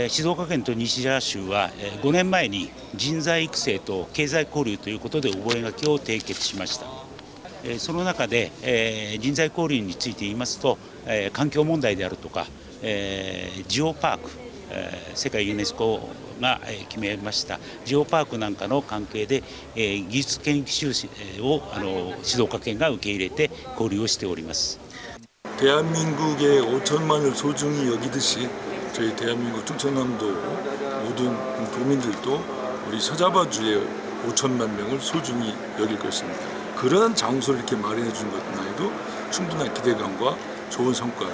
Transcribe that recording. shizuoka dan nishijaya tengah telah menutupi hubungan kewirausahaan dan kewirausahaan